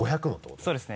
そうですね。